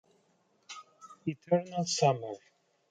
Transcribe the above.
Eternal Summer".